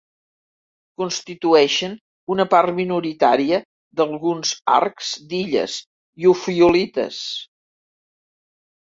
Constitueixen una part minoritària d'alguns arcs d'illes i ofiolites.